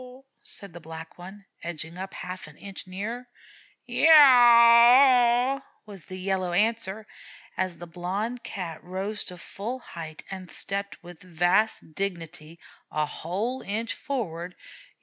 said the Black One, edging up half an inch nearer. "Yow w w!" was the Yellow answer, as the blond Cat rose to full height and stepped with vast dignity a whole inch forward.